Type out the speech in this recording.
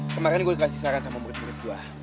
kemarin gue kasih saran sama murid murid gua